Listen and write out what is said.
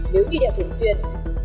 nếu như đeo thường xuyên